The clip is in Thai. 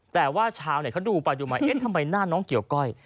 แต่ว่าชาวเน็ตเขาดูไปดูมาเอ๊ะทำไมหน้าน้องเกี่ยวก้อย